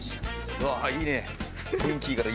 うわいいですね。